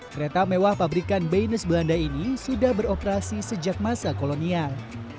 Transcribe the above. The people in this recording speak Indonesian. kereta mewah pabrikan beines belanda ini sudah beroperasi sejak masa kolonial